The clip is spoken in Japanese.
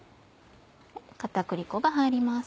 片栗粉が入ります。